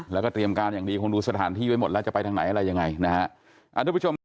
แล้วก็เตรียมการอย่างดีคงดูสถานที่ไว้หมดแล้วจะไปทางไหนอะไรยังไงนะฮะ